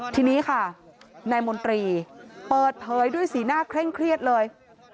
ทีนี้ค่ะนายมนตรีเปิดเผยด้วยสีหน้าเคร่งเครียดเลย